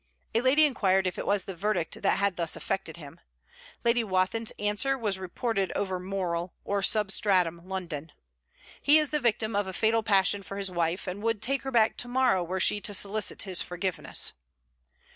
A lady inquired if it was the verdict that had thus affected him. Lady Wathin's answer was reported over moral, or substratum, London: 'He is the victim of a fatal passion for his wife; and would take her back to morrow were she to solicit his forgiveness.'